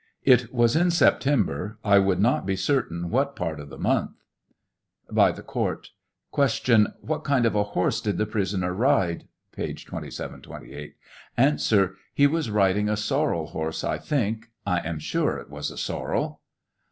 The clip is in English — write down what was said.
It was in September ; I would not be certain what part of the month. By the Court : Q. What kind of a horse did the prisoner ride ? (P. 2728.) A. He was riding a sorrel horse, I think. I am sure it was a sorrel.